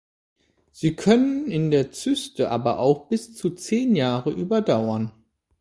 Sie können in der Zyste aber auch bis zu zehn Jahre überdauern.